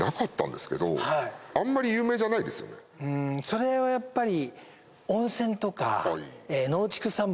それはやっぱり。